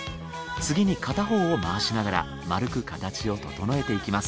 次に片方を回しながら丸く形を整えていきます。